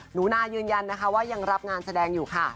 หนูนายืนยันนะคะว่ายังรับงานแสดงอยู่ค่ะ